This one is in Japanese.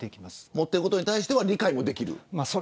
持ってることに対しては理解もできる。